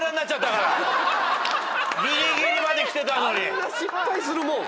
あんな失敗するもん？